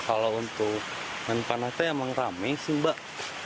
kalau untuk main panah itu emang rame sih mbak